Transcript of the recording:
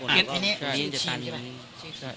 เขียนว่าอะไรครับ